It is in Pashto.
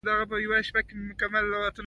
پانګه اچونه، راتلونکی تضمینوئ